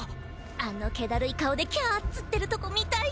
あの気怠い顔で「キャア」っつってるとこ見たい。